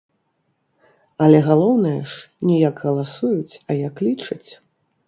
Але галоўнае ж, не як галасуюць, а як лічаць.